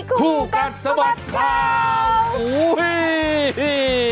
คู่กัดสบัดคร่าวโอ้เฮเฮ